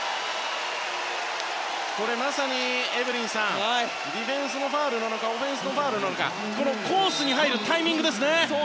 まさに、ディフェンスのファウルなのかオフェンスのファウルなのかコースに入るタイミングです。